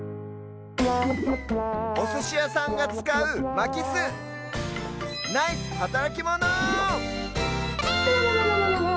おすしやさんがつかうまきすナイスはたらきモノ！